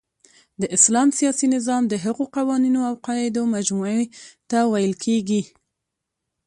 د اسلام سیاسی نظام د هغو قوانینو اوقواعدو مجموعی ته ویل کیږی